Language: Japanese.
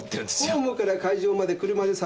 ホームから会場まで車で３０分。